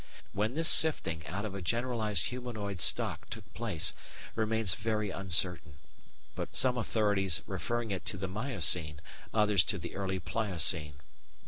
When this sifting out of a generalised humanoid stock took place remains very uncertain, some authorities referring it to the Miocene, others to the early Pliocene.